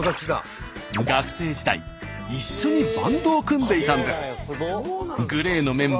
学生時代一緒にバンドを組んでいたんです。